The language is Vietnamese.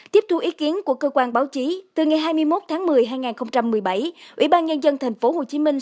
tiếp thu ý kiến của cơ quan báo chí từ ngày hai mươi một tháng một mươi hai nghìn một mươi bảy ủy ban nhân dân thành phố hồ chí minh